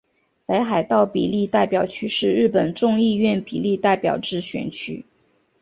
北海道比例代表区是日本众议院比例代表制选区。